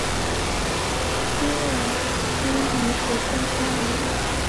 多尔多尼河畔阿莱。